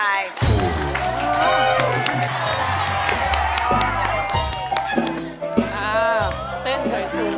อ้าวเต้นสวย